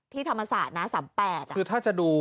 ที่ธรรมศาสตร์น้าสามแปดคือถ้าจะดู